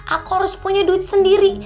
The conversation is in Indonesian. aku harus punya duit sendiri